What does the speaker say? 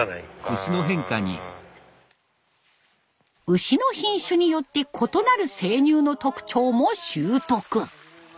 牛の品種によって異なる生乳の特徴も習得。